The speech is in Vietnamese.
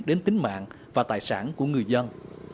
đến tính mạng và tài sản của người dân